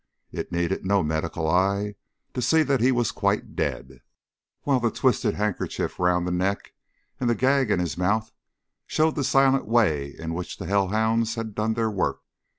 It needed no medical eye to see that he was quite dead, while the twisted handkerchief round the neck, and the gag in his mouth, showed the silent way in which the hell hounds had done their work.